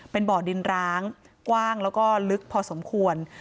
เป็นบ่อดินร้างกว้างแล้วก็ลึกพอสมควร